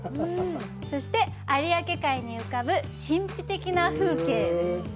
そして、有明海に浮かぶ神秘的な風景。